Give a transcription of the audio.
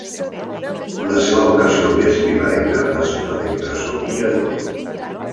La seva vocació més primerenca va ser la d'impressor i editor.